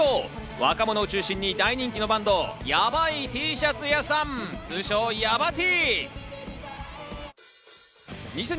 若者を中心に大人気のバンド・ヤバイＴシャツ屋さん、通称・ヤバＴ！